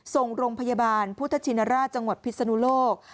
ส่งโรงพยาบาลพุทธชินราชจังหวัดพิศนุโลก